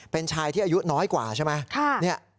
เป็นชายที่อายุน้อยกว่าใช่ไหม